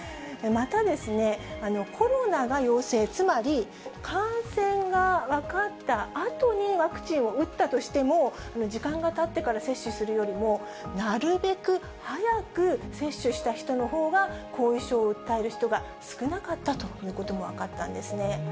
またですね、コロナが陽性、つまり感染が分かったあとにワクチンを打ったとしても、時間がたってから接種するよりも、なるべく早く接種した人のほうが、後遺症を訴える人が少なかったということも分かったんですね。